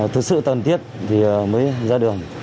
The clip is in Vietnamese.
thực sự tần thiết mới ra đường